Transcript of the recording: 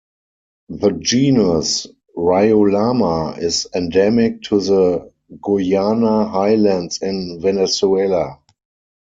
The genus "Riolama" is endemic to the Guiana Highlands in Venezuela.